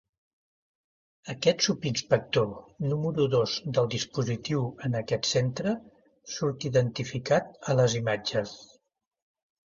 Aquest subinspector, número dos del dispositiu en aquest centre, surt identificat a les imatges.